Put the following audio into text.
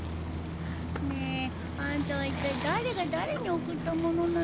ねえあんたはいったい誰が誰に贈ったものなのさ。